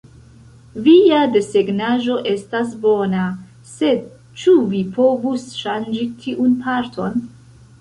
"Via desegnaĵo estas bona, sed ĉu vi povus ŝanĝi tiun parton?"